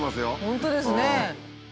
本当ですね。